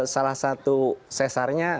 salah satu sesarnya